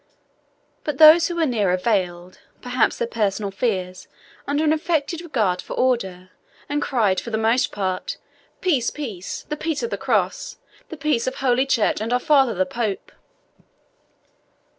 but those who were nearer veiled, perhaps, their personal fears under an affected regard for order, and cried, for the most part, "Peace! Peace! the peace of the Cross the peace of Holy Church and our Father the Pope!"